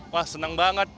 wah seneng banget